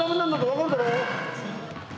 分かるだろ！